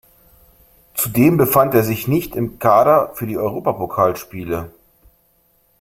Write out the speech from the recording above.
Zudem befand er sich nicht im Kader für die Europapokalspiele.